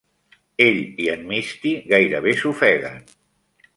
Ell i en Misty gairebé s'ofeguen.